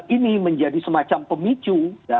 ini menjadi semacam pemicu